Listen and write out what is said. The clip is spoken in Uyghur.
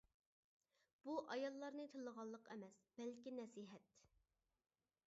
بۇ ئاياللارنى تىللىغانلىق ئەمەس، بەلكى نەسىھەت.